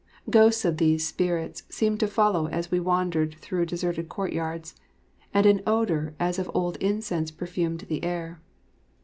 Ghosts of these spirits seemed to follow as we wandered through deserted courtyards, and an odour as of old incense perfumed the air.